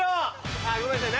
あぁごめんなさい